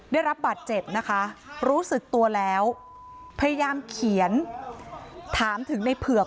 ได้รับบาดเจ็บนะคะรู้สึกตัวแล้วพยายามเขียนถามถึงในเผือก